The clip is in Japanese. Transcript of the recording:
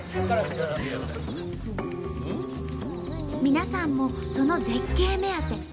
皆さんもその絶景目当て。